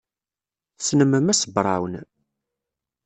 Tessnem Mass Brown?